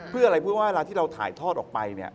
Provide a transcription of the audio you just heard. เพื่ออะไรเพื่อว่าที่เราถ่ายทอดออกไป